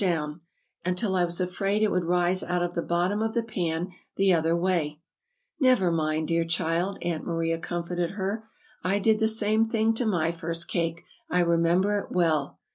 down! until I was afraid it would rise out of the bottom of the pan the other way." [Illustration: "What's the matter, child?"] "Never mind, dear child," Aunt Maria comforted her. "I did the same thing to my first cake. I remember it well!"